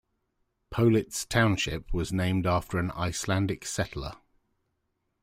Pohlitz Township was named for an Icelandic settler.